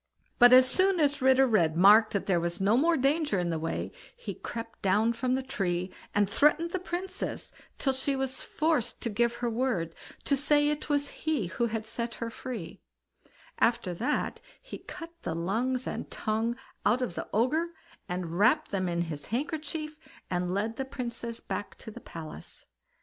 But as soon as Ritter Red marked that there was no more danger in the way, he crept down from the tree, and threatened the Princess, till she was forced to give her word, to say it was he who had set her free; after that, he cut the lungs and tongue out of the Ogre, and wrapped them in his handkerchief, and led the Princess back to the palace.